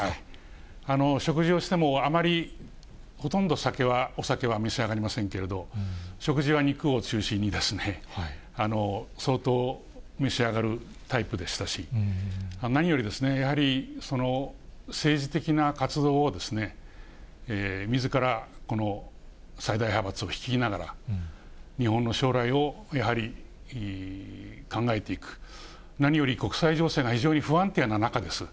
食事をしても、あまりほとんどお酒は召し上がりませんけれども、食事は肉を中心に、相当召し上がるタイプでしたし、何よりやはり、政治的な活動をみずから最大派閥を率いながら、日本の将来をやはり考えていく、何より国際情勢が非常に不安定な中です。